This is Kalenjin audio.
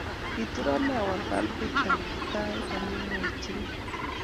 Kituron awal balbitab tait amu maitchini